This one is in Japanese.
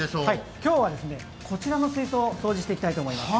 今日はこちらの水槽を掃除していきたいと思います。